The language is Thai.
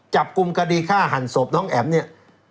จับกลุ่มคดีฆ่าหันศพน้องแอ๋มเนี่ย